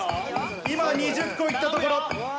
今、２０個いったところ。